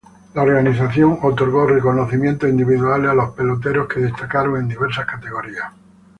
La organización otorgó reconocimientos individuales a los peloteros que destacaron en diversas categorías.